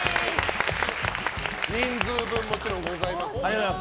人数分もちろんございます。